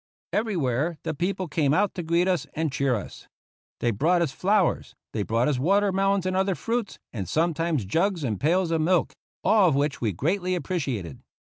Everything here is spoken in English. Everywhere the people came out to greet us and cheer us. They brought us flowers; they brought us watermelons and other fruits, and sometimes jugs and pails of milk — all of which we greatly appreciated.